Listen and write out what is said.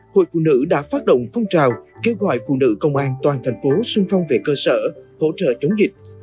hội phụ nữ đã phát động phong trào kêu gọi phụ nữ công an toàn thành phố sung phong về cơ sở hỗ trợ chống dịch